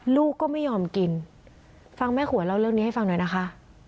ลูกก็ไม่ยอมกินฟังแม่ขวยเล่าเรื่องนี้ให้ฟังหน่อยนะคะ